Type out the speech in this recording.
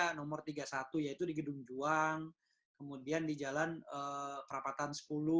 ada nomor tiga puluh satu yaitu di gedung juang kemudian di jalan perapatan sepuluh